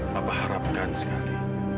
papa harapkan sekali